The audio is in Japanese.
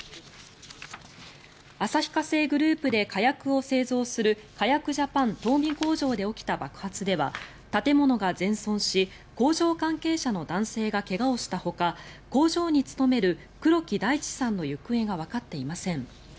旭化成グループで火薬を製造するカヤク・ジャパン東海工場で起きた爆発では建物が全損し工場関係者の男性が怪我をしたほか工場に勤める黒木大地さんの行方がわかっていません。